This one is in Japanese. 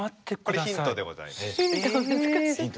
これヒントでございます。